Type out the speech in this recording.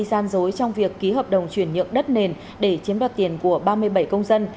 gian dối trong việc ký hợp đồng chuyển nhượng đất nền để chiếm đoạt tiền của ba mươi bảy công dân